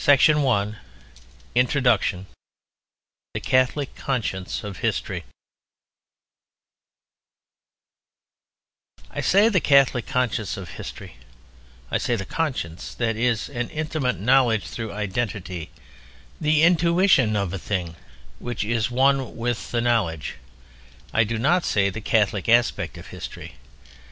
CONCLUSION INTRODUCTION THE CATHOLIC CONSCIENCE OF HISTORY I say the Catholic "conscience" of history—I say "conscience"—that is, an intimate knowledge through identity: the intuition of a thing which is one with the knower—I do not say "The Catholic Aspect of History."